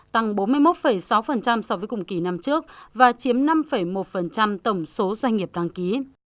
tăng bốn mươi một sáu so với cùng kỳ năm trước và chiếm năm một tổng số doanh nghiệp đăng ký